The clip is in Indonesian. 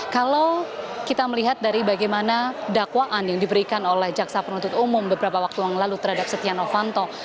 kalau kita melihat dari bagaimana dakwaan yang diberikan oleh jaksa penuntut umum beberapa waktu yang lalu terhadap setia novanto